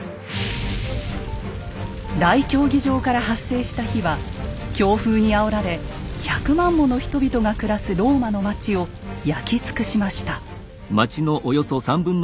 大競技場から発生した火は強風にあおられ１００万もの人々が暮らすローマの町を焼き尽くしました。